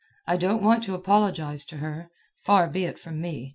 I don't want to apologize to her. Far be it from me.